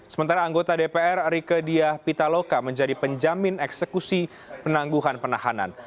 sementara anggota dpr rike diah pitaloka menjadi penjamin eksekusi penangguhan penahanan